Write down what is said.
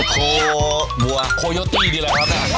โควะโคโยตี้ดีแหละครับ